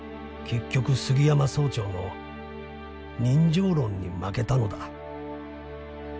「結局杉山総長の人情論に負けたのだ」。